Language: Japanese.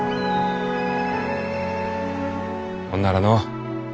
ほんならのう。